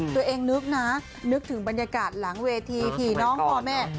ตัวเองนึกนะนึกถึงบรรยากาศหลังเวทีผีน้องพ่อแม่